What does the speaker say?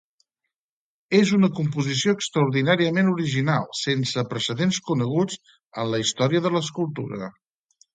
És una composició extraordinàriament original, sense precedents coneguts en la història de l'escultura.